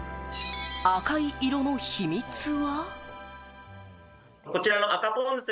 赤い色の秘密は。